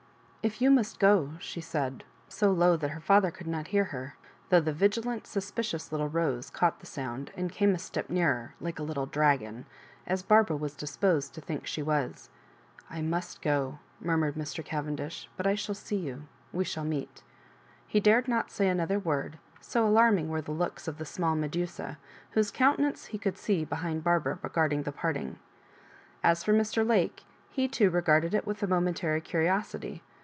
" If you must go——" she said, so low that her father could not hear her, though the vigilant suspicious little Rose caught the sound, and came a step nearer, like a little dragon, as Barbara was dispcMsed to think she was. " I fnvst go," murmured Mr. Cavendish ; "but I shall see you — ^we shall meet." He dared not say another word, so alarming were the looks of the small Medusa, whose countenance he could see behind Barbara regarding the parting. As for Mr. Lake, he too regarded it with a momen tary curiosity.